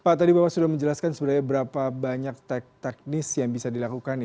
pak tadi bapak sudah menjelaskan sebenarnya berapa banyak teknis yang bisa dilakukan